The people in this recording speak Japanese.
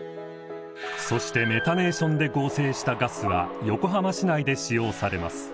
そしてメタネーションで合成したガスは横浜市内で使用されます。